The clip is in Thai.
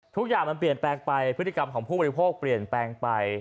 ทุกอย่างมันเปลี่ยนแปลงไปพฤติกรรมของผู้บริโภคเปลี่ยนแปลงไป